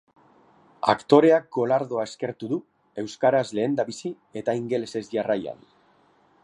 Aktoreak golardoa eskertu du, euskaraz lehendabizi, eta ingelesezjarraian.